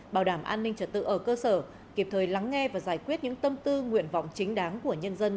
bảo đảm an ninh trật tự ở cơ sở kịp thời lắng nghe và giải quyết những tâm tư nguyện vọng chính đáng của nhân dân